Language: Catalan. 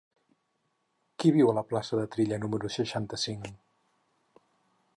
Qui viu a la plaça de Trilla número seixanta-cinc?